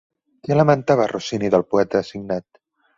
Què lamentava Rossini del poeta assignat?